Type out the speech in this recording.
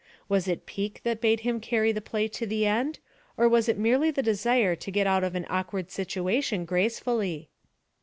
Was it pique that bade him carry the play to the end, or was it merely the desire to get out of an awkward situation gracefully?